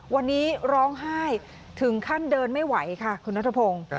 วันนี้ร้องไห้ถึงขั้นเดินไม่ไหวค่ะคุณนัทพงศ์